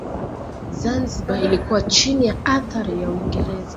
Zanzibar ilikuwa chini ya athari ya Uingereza